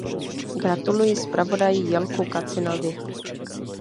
Gratuluji zpravodaji Jelku Kacinovi.